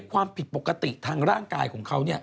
ความผิดปกติทางร่างกายของเขา